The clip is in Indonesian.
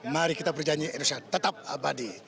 mari kita berjanji indonesia tetap abadi